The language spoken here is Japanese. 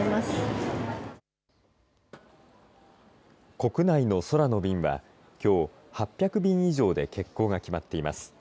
国内の空の便は、きょう８００便以上で欠航が決まっています。